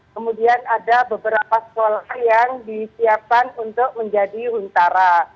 kemudian ada beberapa sekolah yang disiapkan untuk menjadi huntara